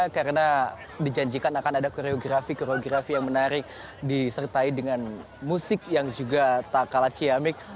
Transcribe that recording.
karena dijanjikan akan ada koreografi koreografi yang menarik disertai dengan musik yang juga tak kalah ciamik